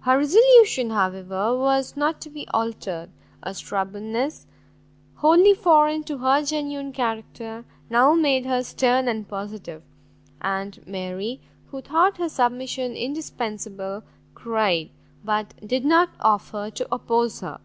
Her resolution, however, was not to be altered; a stubbornness, wholly foreign to her genuine character, now made her stern and positive; and Mary, who thought her submission indispensable, cried, but did not offer to oppose her.